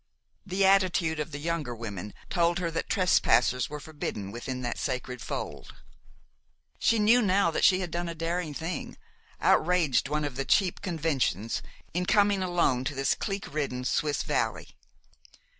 The attitude of the younger women told her that trespassers were forbidden within that sacred fold. She knew now that she had done a daring thing outraged one of the cheap conventions in coming alone to this clique ridden Swiss valley.